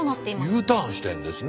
Ｕターンしてるんですね。